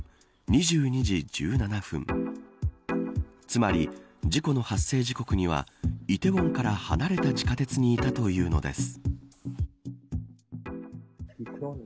つまり、事故の発生時刻には梨泰院から離れた地下鉄にいたというのです。